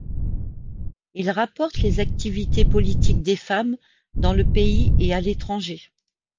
Il rapporte les activités politiques des femmes dans le pays et à l'étranger.